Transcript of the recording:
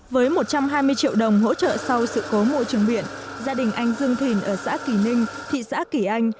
với một trăm hai mươi triệu đồng hỗ trợ sau sự cố môi trường biển gia đình anh dương thìn ở xã kỳ ninh thị xã kỳ anh